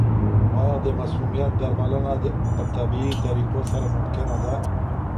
آیا د مسمومیت درملنه په طبیعي طریقو سره ممکنه ده؟